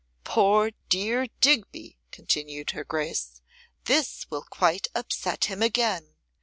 'Poor dear Digby,' continued her grace, 'this will quite upset him again.